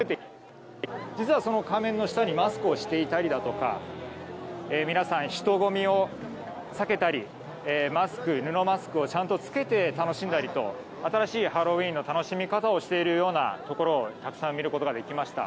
実は、その仮面の下にマスクをしていたりだとか皆さん、人混みを避けたり布マスクをちゃんと着けて楽しんだりと新しいハロウィーンの楽しみ方をしているようなところをたくさん見ることができました。